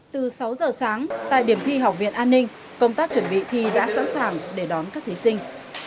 từ sáu giờ sáng tại điểm thi học viện an ninh công tác chuẩn bị thi đã sẵn sàng để đón các thí sinh